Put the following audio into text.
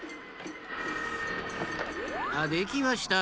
あできました。